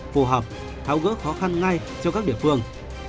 phù hợp tháo gỡ khó khăn ngay cho các địa phương